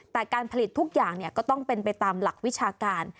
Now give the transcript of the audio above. แต่การผลิตทุกอย่างก็ต้องเป็นไปตามหลักวิชาการ